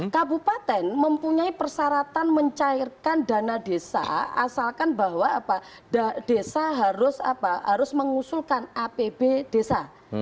kabupaten mempunyai persyaratan mencairkan dana desa asalkan bahwa desa harus mengusulkan apb desa